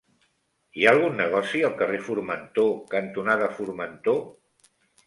Hi ha algun negoci al carrer Formentor cantonada Formentor?